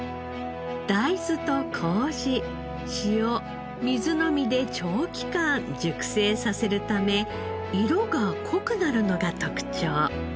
大豆と麹塩水のみで長期間熟成させるため色が濃くなるのが特徴。